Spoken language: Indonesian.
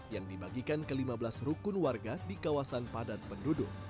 yang dibagikan ke lima belas rukun warga di kawasan padat penduduk